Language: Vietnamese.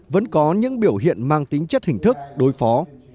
vẫn có những biểu hiện mang tính chất hình thức đối phó